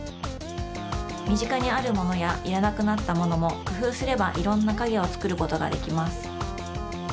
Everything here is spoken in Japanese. みぢかにあるものやいらなくなったものもくふうすればいろんなかげをつくることができます。